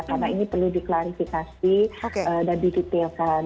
karena ini perlu diklarifikasi dan didetailkan